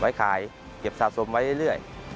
ขายเก็บสะสมไว้เรื่อย